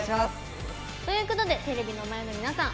ということでテレビの前の皆さん。